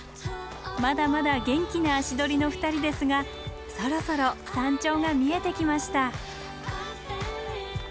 まだまだ元気な足取りの２人ですがそろそろ山頂が見えてきました。